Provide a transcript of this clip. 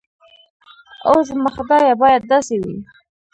اوح زما خدايه بايد داسې وي.